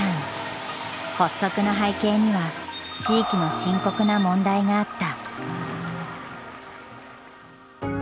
発足の背景には地域の深刻な問題があった。